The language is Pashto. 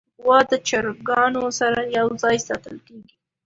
غوا د چرګانو سره یو ځای ساتل کېږي.